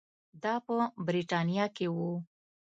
دا په برېټانیا کې وو.